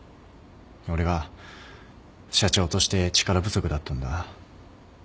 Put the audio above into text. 俺が社長として力不足だったんだ。